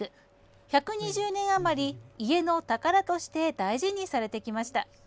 １２０年余り、家の宝として大事にされてきました。